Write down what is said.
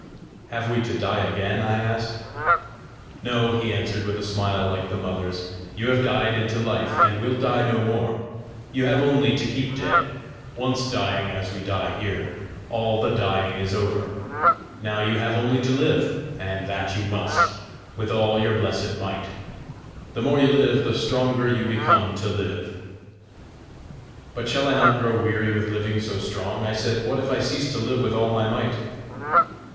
"Have we to die again?" I asked. "No," he answered, with a smile like the Mother's; "you have died into life, and will die no more; you have only to keep dead. Once dying as we die here, all the dying is over. Now you have only to live, and that you must, with all your blessed might. The more you live, the stronger you become to live." "But shall I not grow weary with living so strong?" I said. "What if I cease to live with all my might?"